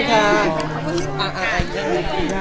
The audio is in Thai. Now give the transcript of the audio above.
เดี๋ยวพี่เป๊กเจอนะ